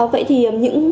vậy thì những